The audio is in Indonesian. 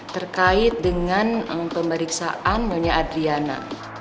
terkait dengan pemeriksaan nyonya adriana